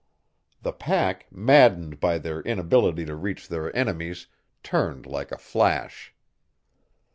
The pack, maddened by their inability to reach their enemies, turned like a flash.